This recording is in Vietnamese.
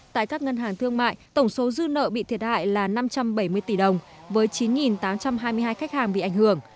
tại các ngân hàng thương mại tổng số dư nợ bị thiệt hại là năm trăm bảy mươi tỷ đồng với chín tám trăm hai mươi hai khách hàng bị ảnh hưởng